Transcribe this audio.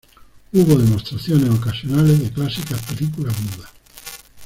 Hubo demostraciones ocasionales de clásicas películas mudas.